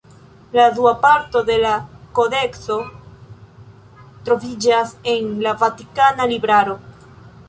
La dua parto de la kodekso troviĝas en la Vatikana libraro.